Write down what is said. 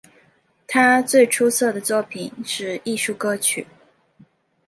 他最出色的作品是艺术歌曲。